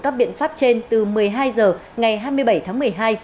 các biện pháp trên từ một mươi hai h ngày hai mươi bảy tháng một mươi hai